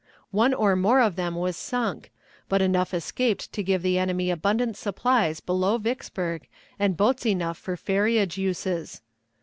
One or more of them was sunk, but enough escaped to give the enemy abundant supplies below Vicksburg and boats enough for ferriage uses.